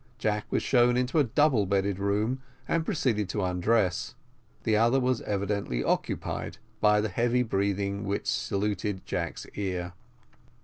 Jack was shown into a doubled bedded room, and proceeded to undress; the other was evidently occupied, by the heavy breathing which saluted Jack's ear.